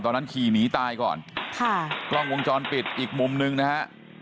ขี่หนีตายก่อนค่ะกล้องวงจรปิดอีกมุมหนึ่งนะฮะ